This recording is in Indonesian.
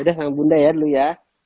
udah sama bunda ya dulu ya